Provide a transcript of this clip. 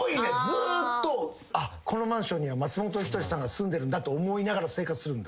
ずーっとこのマンションには松本人志さんが住んでるんだと思いながら生活するんだ。